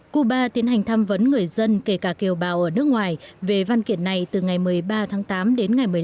cuba tiến hành tham vấn người dân kể cả kiều bào ở nước ngoài về văn kiện này từ ngày một mươi ba tháng tám đến ngày một mươi năm tháng một mươi một